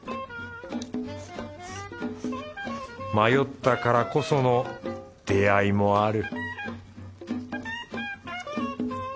迷ったからこその出会いもある